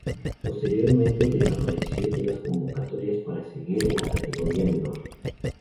Posteriormente desapareció de las convocatorias para seguir en la categoría menor.